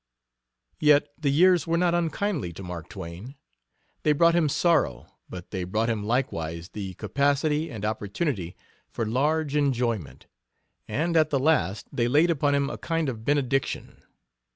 Yet the years were not unkindly to Mark Twain. They brought him sorrow, but they brought him likewise the capacity and opportunity for large enjoyment, and at the last they laid upon him a kind of benediction.